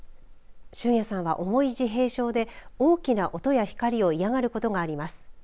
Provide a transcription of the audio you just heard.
旬弥さんは重い自閉症で大きな音や光を嫌がることがあります。